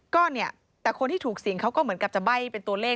ก็เนี่ยแต่คนที่ถูกเสี่ยงเขาก็เหมือนกับจะใบ้เป็นตัวเลข